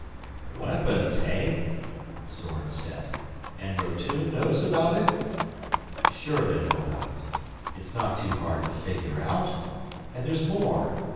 "Weapons, hey?" Zorn said. "And Rotune knows about it?" "Sure they know about it. It's not too hard to figure out. And there's more.